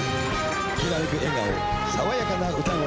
きらめく笑顔さわやかな歌声。